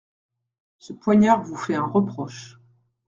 Ce poignard vous fait un reproche.